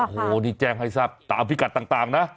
โอ้โหนี่แจ้งให้ทราบตามพิกัดต่างนะ